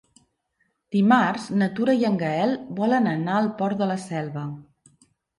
Dimarts na Tura i en Gaël volen anar al Port de la Selva.